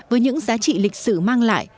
với những giá trị lịch sử mang lại